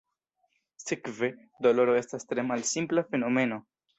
Sekve, doloro estas tre malsimpla fenomeno.